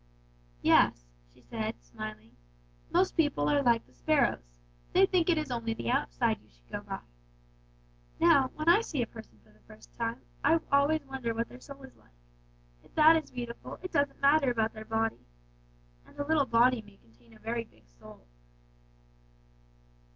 "Yes," she said, smiling; "most people are like the sparrows: they think it is only the outside you should go by. Now, when I see a person for the first time I always wonder what their soul is like. If that is beautiful it doesn't matter about their body. And a little body may contain a very big soul."